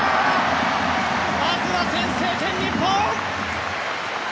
まずは先制点、日本！